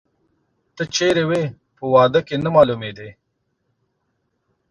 ته چیري وې، په واده کې نه مالومېدلې؟